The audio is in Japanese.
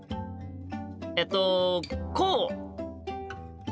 えっとこう？